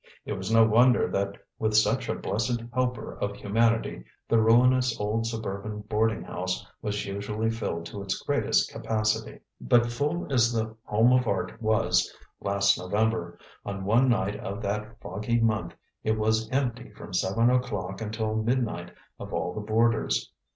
It was no wonder that with such a blessed helper of humanity, the ruinous old suburban boarding house was usually filled to its greatest capacity. But full as The Home of Art was last November, on one night of that foggy month it was empty from seven o'clock until midnight of all the boarders.